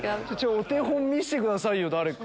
お手本見せてくださいよ誰か。